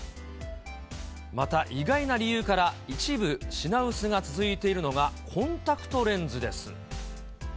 また意外な理由から一部品薄が続いているのが、コンタクトレンズです。